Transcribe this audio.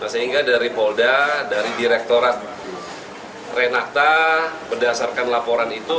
sehingga dari polda dari direktorat renata berdasarkan laporan itu